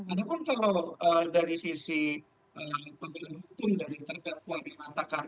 ada pun kalau dari sisi penggunaan hukum dari terdakwa yang dikatakan